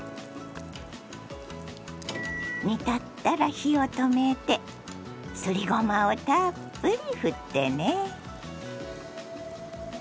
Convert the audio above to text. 煮立ったら火を止めてすりごまをたっぷりふってね。